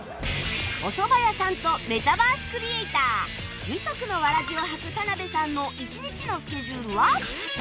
おそば屋さんとメタバースクリエイター二足のわらじを履くタナベさんの一日のスケジュールは